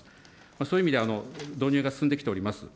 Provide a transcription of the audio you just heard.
そういった意味で導入が進んできております。